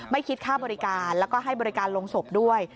ไม่คิดค่าบริการแล้วก็ให้บริการลงศพด้วย